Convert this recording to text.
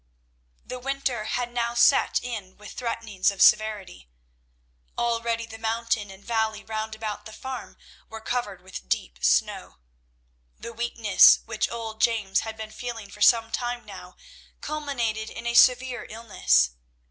The winter had now set in with threatenings of severity. Already the mountain and valley round about the farm were covered with deep snow. The weakness which old James had been feeling for some time now culminated in a severe illness.